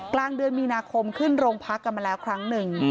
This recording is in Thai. กลางเดือนมีนาคมขึ้นโรงพักกันมาแล้วครั้งหนึ่ง